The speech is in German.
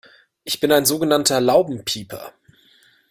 Ich bin ein sogenannter Laubenpieper.